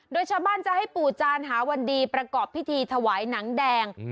โดยชาวบ้านจะให้ปู่จานหาวันดีประกอบพิธีถวายหนังแดง